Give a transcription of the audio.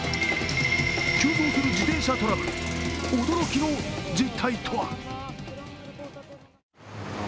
急増する自転車トラブル驚きの実態とは。